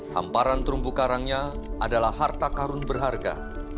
hamparan terumbu karangnya adalah harta karun berharga